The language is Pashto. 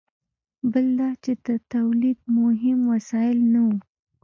بل دا چې د تولید مهم وسایل نه وو.